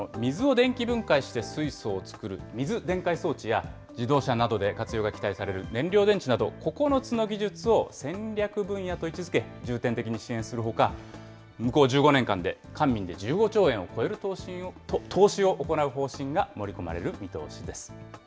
この中では、日本が強みを持つ、この水を電気分解して水素を作る、水電解装置や、自動車などで活用が期待される燃料電池など、９つの技術を戦略分野と位置づけ、重点的に支援するほか、向こう１５年間で官民で１５兆円を超える投資を行う方針が盛り込まれる見通しです。